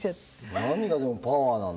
何がでもパワーなんだろう？